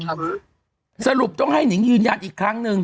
สรุปต้องให้นิงยืนยันอีกครั้งหนึ่ง